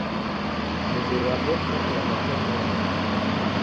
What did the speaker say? Mlindiri wape oshitakilwa kwa kuendelwa mbio.